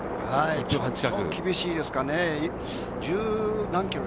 ちょっと厳しいですかね。